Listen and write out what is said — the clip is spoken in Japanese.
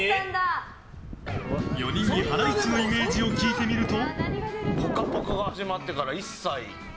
４人にハライチのイメージを聞いてみると。